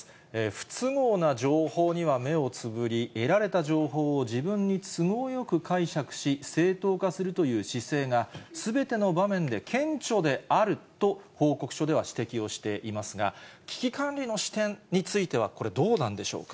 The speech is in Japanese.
不都合な情報には目をつぶり、得られた情報を自分に都合よく解釈し、正当化するという姿勢が、すべての場面で顕著であると報告書では指摘をしていますが、危機管理の視点についてはこれ、どうなんでしょうか。